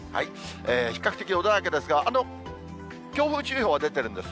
比較的穏やかですが、強風注意報が出てるんです。